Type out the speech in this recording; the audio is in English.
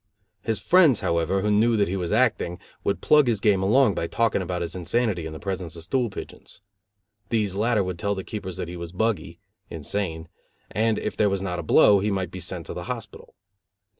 His friends, however, who knew that he was acting, would plug his game along by talking about his insanity in the presence of stool pigeons. These latter would tell the keepers that he was buggy (insane), and, if there was not a blow, he might be sent to the hospital.